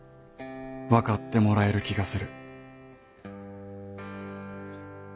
分かってもらえる気がする。